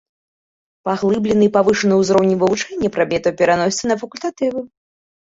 Паглыблены і павышаны ўзроўні вывучэння прадметаў пераносяцца на факультатывы.